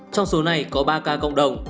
trong số này có ba ca cộng đồng